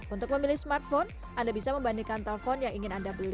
untuk memilih smartphone anda bisa membandingkan telpon yang ingin anda beli